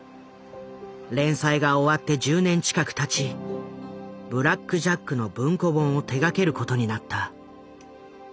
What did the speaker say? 連載が終わって１０年近くたち「ブラック・ジャック」の文庫本を手がけることになった。